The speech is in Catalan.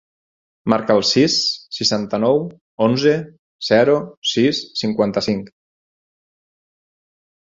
Marca el sis, seixanta-nou, onze, zero, sis, cinquanta-cinc.